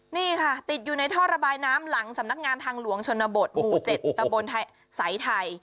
นี่ค่ะติดอยู่ในท่อระบายน้ำหลังสำนักงานทางหลวงชนบทหมู่๗ตะบนสายไทย